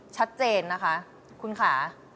ชัดเจนนะคะคุณค่ะ